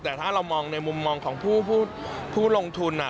แต่ถ้าเรามองในมุมมองของผู้ลงทุน